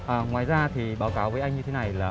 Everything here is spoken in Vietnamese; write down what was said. ngoài ra thì báo cáo với anh như thế này là